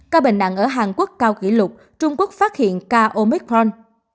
ca bệnh nặng ở hàn quốc cao kỷ lục trung quốc phát hiện ca omicron